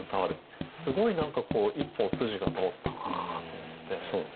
すごい何かこう一本筋が通ったなと思って。